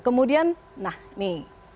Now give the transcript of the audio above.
kemudian nah ini